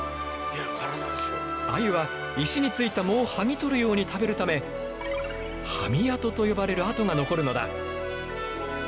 アユは石についた藻を剥ぎ取るように食べるためハミ跡と呼ばれる跡が残るのだ。